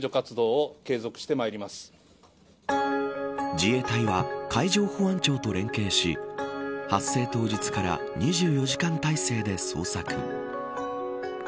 自衛隊は海上保安庁と連携し発生当日から２４時間態勢で捜索。